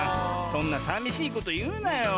そんなさみしいこというなよ。